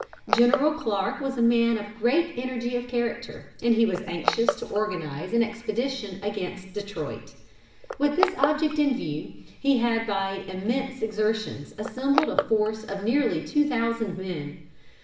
General Clarke was a man of great energy of character, and he was anxious to organise an expedition against Detroit. With this object in view, he had by immense exertions assembled a force of nearly two thousand men.